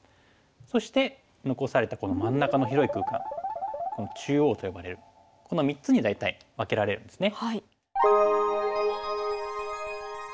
そして残されたこの真ん中の広い空間「中央」と呼ばれるこの３つに大体分けられるんですね。